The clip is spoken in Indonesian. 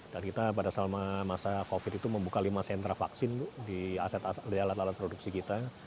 dan kita pada selama masa covid itu membuka lima sentra vaksin di alat alat produksi kita